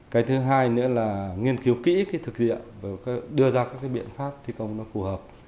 cái thứ hai nữa là nghiên cứu kỹ cái thực diện và đưa ra các cái biện pháp thi công nó phù hợp